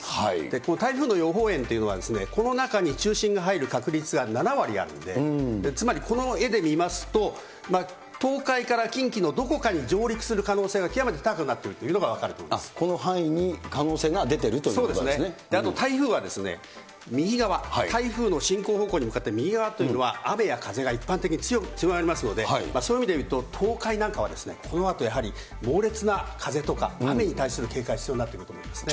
この台風の予報円というのは、この中に中心が入る確率が７割あるんで、つまりこの絵で見ますと、東海から近畿のどこかに上陸する可能性が極めて高くなっているのこの範囲に可能性が出てるとあと、台風は右側、台風の進行方向に向かって右側というのは、雨や風が一般的に強まりますので、そういう意味でいうと、東海なんかはこのあと、やはり猛烈な風とか雨に対する警戒必要になってくると思いますね。